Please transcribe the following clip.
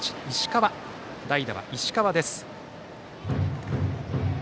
代打は石川です。